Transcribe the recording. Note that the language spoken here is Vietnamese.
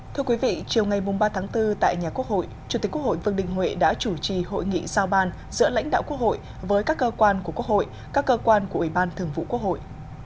thưa quý vị chiều ngày ba tháng bốn tại nhà quốc hội chủ tịch quốc hội vương đình huệ đã chủ trì hội nghị giao ban giữa lãnh đạo quốc hội với các cơ quan của quốc hội các cơ quan của ủy ban thường vụ quốc hội